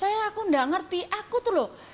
saya aku nggak ngerti aku tuh loh